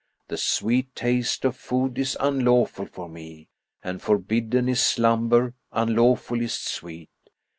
The sweet taste of food is unlawful for me, * And forbidden is slumber, unlawfullest sweet.